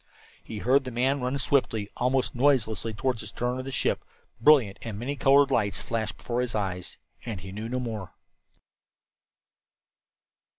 He heard the man run swiftly, almost noiselessly toward the stern of the ship; brilliant and many colored lights flashed before his eyes and he knew no more.